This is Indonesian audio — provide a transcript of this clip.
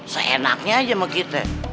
seenaknya aja mah gitu ya